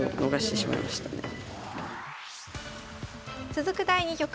続く第２局。